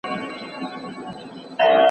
زه هڅه کوم چې هره ورځ مڼه وخورم.